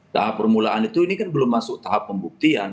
tahap permulaan itu ini kan belum masuk tahap pembuktian